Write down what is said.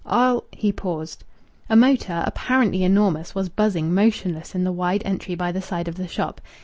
"I'll " He paused. A motor, apparently enormous, was buzzing motion less in the wide entry by the side of the shop.